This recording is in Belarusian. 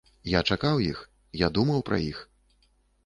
Я чакаў іх, я думаў пра іх!